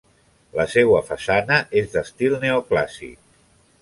La seua façana és d'estil neoclàssic.